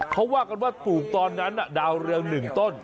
เขาว่ากันว่าปลูกตอนนั้นดาวเรือง๑ต้น